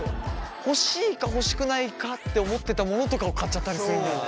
欲しいか欲しくないかって思ってたものとかを買っちゃったりするんだよね。